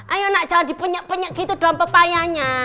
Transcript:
ayo anak jangan dipenyek penyek gitu doang pepayanya